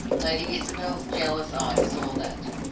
Lady Isabel's jealous eye saw that.